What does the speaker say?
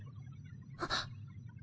あっ。